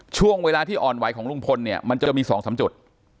ช่วงเวลาที่อ่อนไหวของลุงพลเนี่ยมันจะมี๒๓จุด